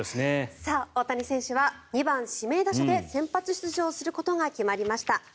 大谷選手は２番指名打者で先発出場することが決まりました。